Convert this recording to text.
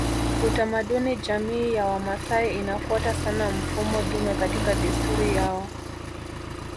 Utamaduni Jamii ya Wamasai inafuata sana mfumo dume katika desturi yao